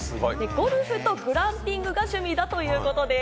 ゴルフとグランピングが趣味だということです。